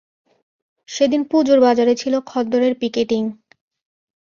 সেদিন পুজোর বাজারে ছিল খদ্দরের পিকেটিং।